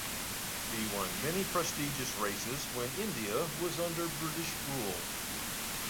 He won many prestigious races when India was under British rule.